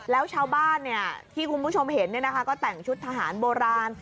แล้วชาวบ้านที่คุณผู้ชมเห็นก็แต่งชุดทหารโบราณ